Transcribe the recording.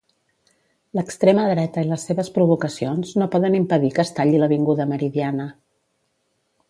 L'extrema dreta i les seves provocacions no poden impedir que es talli l'Avinguda Meridiana.